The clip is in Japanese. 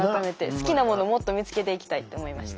好きなものもっと見つけていきたいって思いました。